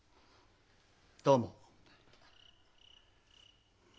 どうも。